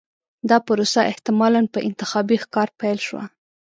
دا پروسه احتمالاً په انتخابي ښکار پیل شوه.